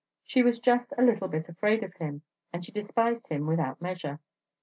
She was just a little bit afraid of him, and she despised him without measure.